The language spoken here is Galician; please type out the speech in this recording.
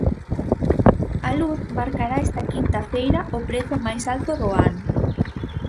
A luz marcará esta quinta feira o prezo máis alto do ano.